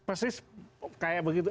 persis kayak begitu